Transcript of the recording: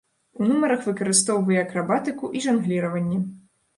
У нумарах выкарыстоўвае акрабатыку і жангліраванне.